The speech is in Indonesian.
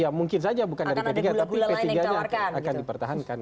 ya mungkin saja bukan dari p tiga tapi p tiga nya akan dipertahankan